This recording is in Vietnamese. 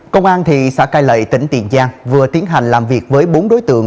công an thì xã cai lệ tỉnh tiền giang vừa tiến hành làm việc với bốn đối tượng